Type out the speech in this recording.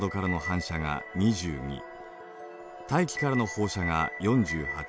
大気からの放射が４８。